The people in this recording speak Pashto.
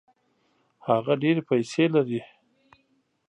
هغه ډېري پیسې لري.